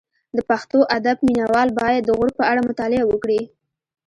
د پښتو ادب مینه وال باید د غور په اړه مطالعه وکړي